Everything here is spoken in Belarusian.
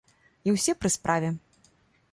І ўсе пры справе!